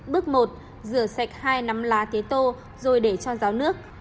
bước một rửa sạch hai năm lá tế tô rồi để cho ráo nước